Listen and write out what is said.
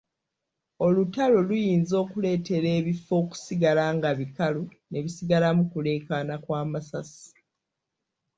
Olutalo luyinza okuleetera ebifo okusigala nga bikalu ne bisigalamu kuleekaana kw'amasasi.